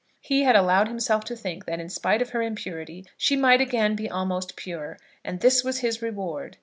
He had allowed himself to think that in spite of her impurity, she might again be almost pure, and this was his reward!